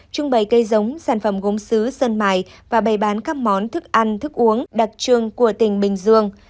trưng bày cây giống sản phẩm gống xứ sân mài và bày bán các món thức ăn thức uống đặc trương của tỉnh bình dương